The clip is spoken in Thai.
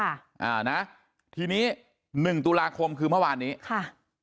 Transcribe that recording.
อ่านะทีนี้หนึ่งตุลาคมคือเมื่อวานนี้ค่ะ